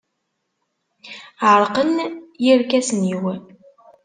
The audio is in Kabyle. Ɛerqen yirkasen-iw.